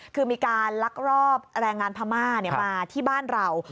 คือมีการลักลอบแรงงานพม่ามาที่บ้านเรา